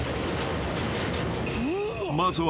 ［まずは］